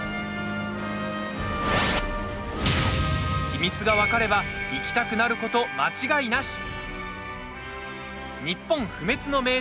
秘密が分かれば行きたくなること間違いなし！